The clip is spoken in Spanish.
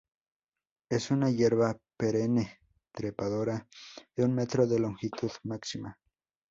Es una hierba perenne trepadora de un metro de longitud máxima.